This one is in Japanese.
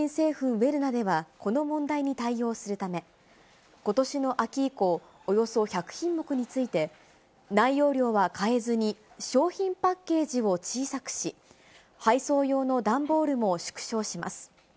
ウェルナでは、この問題に対応するため、ことしの秋以降、およそ１００品目について、内容量は変えずに、商品パッケージを小さくし、配送用の段ボールも縮小します。